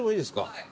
はい。